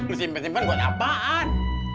lo simpen simpen buat apaan